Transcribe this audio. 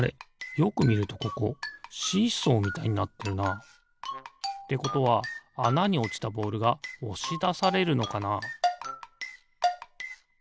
よくみるとここシーソーみたいになってるな。ってことはあなにおちたボールがおしだされるのかな？